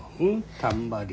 たんまり。